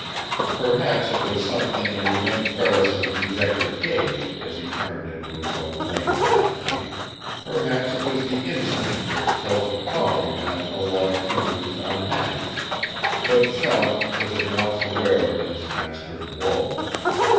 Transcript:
Perhaps it was something in Link Ferris's dejected gait, as he turned into his own lane that night, perhaps it was the instinct which tells a collie when a loved human is unhappy but Chum was at once aware of his master's woe.